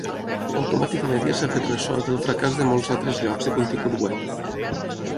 Automatic Media s'ha fet ressò del fracàs de molts altres llocs de contingut web.